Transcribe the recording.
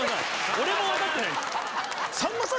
俺も分かってない。